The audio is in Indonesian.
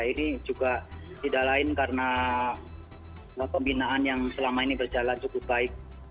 ini juga tidak lain karena pembinaan yang selama ini berjalan cukup baik